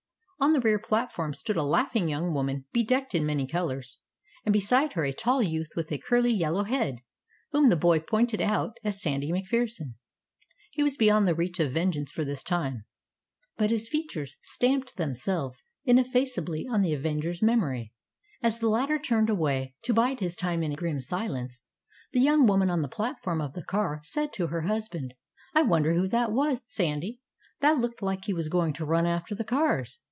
On the rear platform stood a laughing young woman bedecked in many colors, and beside her a tall youth with a curly yellow head, whom the boy pointed out as Sandy MacPherson. He was beyond the reach of vengeance for the time. But his features stamped themselves ineffaceably on the avenger's memory. As the latter turned away, to bide his time in grim silence, the young woman on the platform of the car said to her husband, "I wonder who that was, Sandy, that looked like he was going to run after the cars!